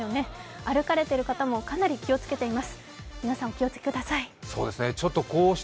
歩かれている方もかなり気をつけています。